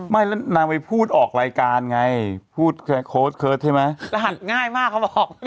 ไม่นางไปพูดออกรายการไงพูดใช่ไหมรหัสง่ายมากเขาบอก